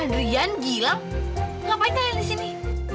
andrian gila ngapain kau yang di sini